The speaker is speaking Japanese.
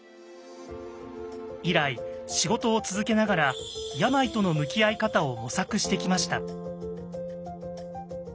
以来仕事を続けながら病との向き合い方を模索してきました。